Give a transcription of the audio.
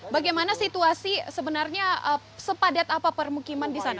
bagaimana situasi sebenarnya sepadat apa permukiman di sana